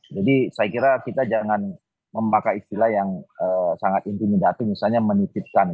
jadi saya kira kita jangan memakai istilah yang sangat intimidasi misalnya menitipkan